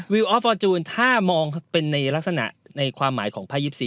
ออฟฟอร์จูนถ้ามองเป็นในลักษณะในความหมายของไพ่๒๔